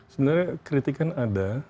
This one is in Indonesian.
sebenarnya kritikan ada